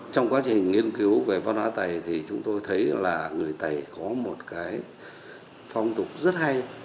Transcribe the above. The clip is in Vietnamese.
trong quá trình nghiên cứu về văn hóa tày thì chúng tôi thấy là người tày có một cái phong tục rất hay